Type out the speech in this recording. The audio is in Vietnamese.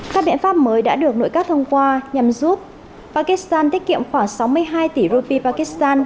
các biện pháp mới đã được nội các thông qua nhằm giúp pakistan tiết kiệm khoảng sáu mươi hai tỷ rupe pakistan